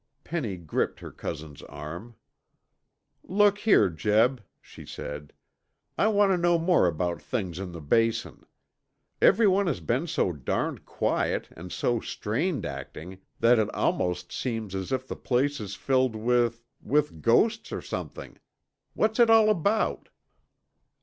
Penny gripped her cousin's arm. "Look here, Jeb," she said, "I want to know more about things in the Basin. Everyone has been so darned quiet, and so strained acting, that it almost seems as if the place is filled with ... with ghosts or something. What's it all about?"